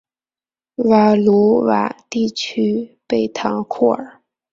瓦卢瓦地区贝唐库尔。